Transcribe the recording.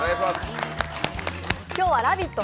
本日は「ラヴィット！」